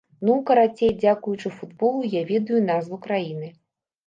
Ну, карацей, дзякуючы футболу, я ведаю назву краіны.